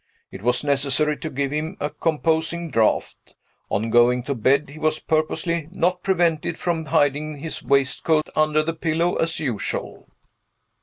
It was necessary to give him a composing draught. On going to bed, he was purposely not prevented from hiding his waistcoat under the pillow, as usual.